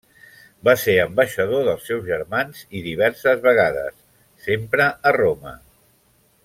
Va ser ambaixador dels seus germans i diverses vegades, sempre a Roma.